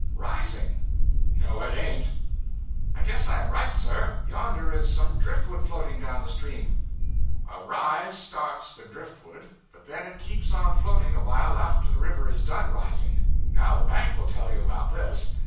'Rising.' 'No it ain't.' 'I guess I am right, sir. Yonder is some drift wood floating down the stream.' 'A rise starts the drift wood, but then it keeps on floating a while after the river is done rising. Now the bank will tell you about this.